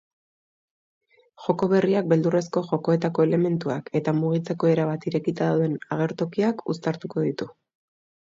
Joko berriak beldurrezko jokoetako elementuak eta mugitzeko erabat irekita dauden agertokiak uztartuko ditu.